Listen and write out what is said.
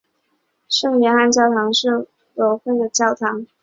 圣约翰教堂是维尔茨堡的第二座路德会教堂。